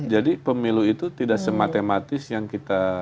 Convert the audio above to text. jadi pemilu itu tidak sematematis yang kita